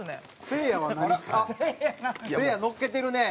せいやのっけてるね。